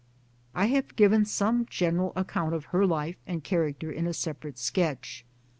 I have given some general account founded on her life and character in a separate sketch.